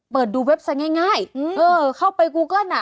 เปิดดูเว็บไซต์ง่ายเออเข้าไปกูเกิ้ลอ่ะ